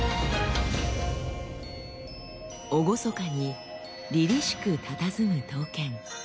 厳かにりりしくたたずむ刀剣。